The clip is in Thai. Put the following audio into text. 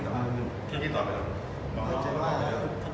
แต่เราไม่ไม่ครับตลาดที่ผมเดินก็คือตลาดแอลกอนิเชฟ